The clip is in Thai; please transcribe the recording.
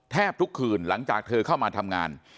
ทุกคืนหลังจากเธอเข้ามาทำงาน